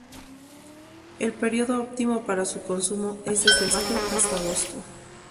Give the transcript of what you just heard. El período óptimo para su consumo es desde mayo hasta agosto.